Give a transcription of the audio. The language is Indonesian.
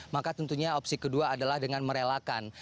maka tentunya opsi kedua adalah dengan merelakan